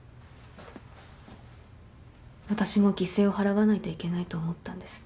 私も犠牲を払わないといけないと思ったんです。